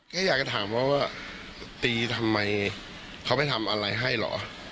ก็อยากจะถามเขาว่าตีทำไมเขาไปทำอะไรให้เหรอ